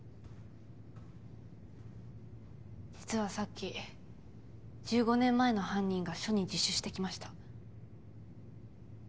実はさっき１５年前の犯人が署に自首してきました。